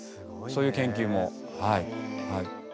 そういう研究もはいはい。